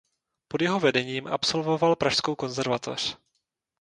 Pod jeho vedením absolvoval Pražskou konzervatoř.